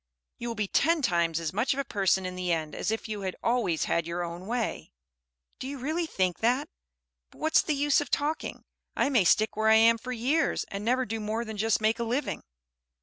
You will be ten times as much of a person in the end as if you had always had your own way." "Do you really think that? But what's the use of talking? I may stick where I am for years, and never do more than just make a living."